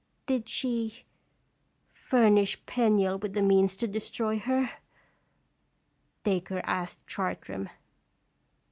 " Did she fur nish Penniel with the means to destroy her?" Dacre asked Chartram.